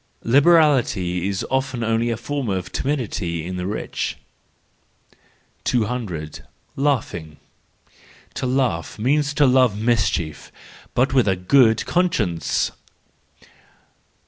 —Liberality is often only a form timidity in the rich. 200. Laughing ,—To laugh means to love mischie but with a good conscience.